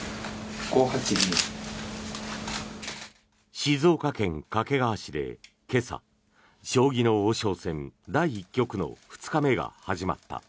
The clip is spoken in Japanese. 静岡県掛川市で今朝将棋の王将戦第１局の２日目が始まった。